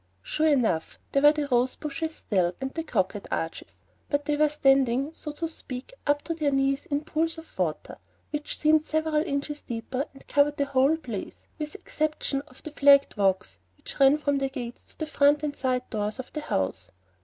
Sure enough! There were the rose bushes still, and the croquet arches; but they were standing, so to speak, up to their knees in pools of water, which seemed several inches deep, and covered the whole place, with the exception of the flagged walks which ran from the gates to the front and side doors of the house.